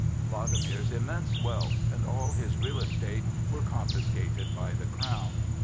Wladimir's immense wealth and all his real estate were confiscated by the crown.